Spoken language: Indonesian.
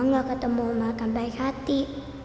nggak ketemu omah rekan baik hati